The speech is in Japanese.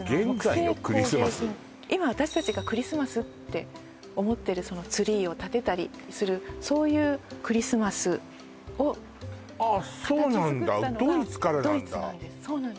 今私達がクリスマスって思ってるツリーをたてたりするそういうクリスマスをああそうなんだ